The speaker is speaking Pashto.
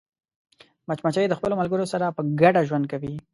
مچمچۍ د خپلو ملګرو سره په ګډه ژوند کوي